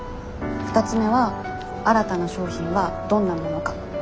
２つ目は「新たな商品はどんなものか」。